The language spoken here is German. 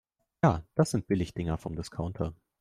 Ja, das sind Billigdinger vom Discounter.